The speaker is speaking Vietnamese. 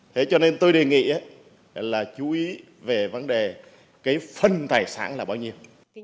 thế cho nên tôi đề nghị là chú ý về vấn đề cái phân tài sản là bao nhiêu